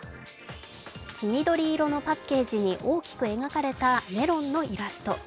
黄緑色のパッケージに大きく描かれたメロンのイラスト。